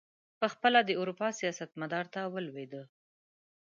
پخپله د اروپا سیاست مدار ته ولوېدی.